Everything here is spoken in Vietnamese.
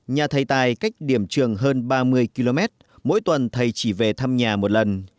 nhà thầy tài cách điểm trường hơn ba mươi km mỗi tuần thầy chỉ về thăm nhà một lần